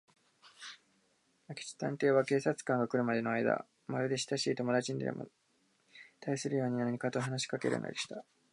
明智探偵は、警官隊が来るまでのあいだを、まるでしたしい友だちにでもたいするように、何かと話しかけるのでした。